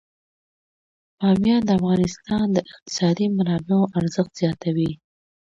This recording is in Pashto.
بامیان د افغانستان د اقتصادي منابعو ارزښت زیاتوي.